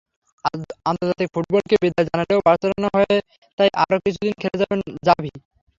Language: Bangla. আন্তর্জাতিক ফুটবলকে বিদায় জানালেও বার্সেলোনার হয়ে তাই আরও কিছুদিন খেলে যাবেন জাভি।